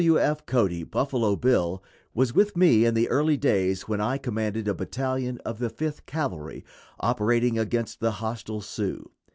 W. F. Cody ("Buffalo Bill") was with me in the early days when I commanded a battalion of the Fifth Cavalry, operating against the hostile Sioux.